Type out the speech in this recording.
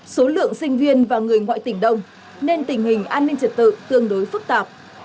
số lượng sinh viên và người ngoại tỉnh đông nên tình hình an ninh trật tự tương đối phức tạp